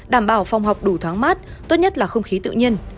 đảm bảo phòng học đủ thoáng mát tốt nhất là không khí tự nhiên